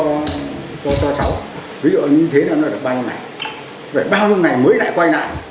ví dụ như thế là nó được bao nhiêu ngày rồi bao nhiêu ngày mới lại quay lại